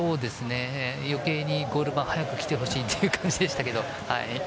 余計にゴールが早く来てほしいという感じでしたけど。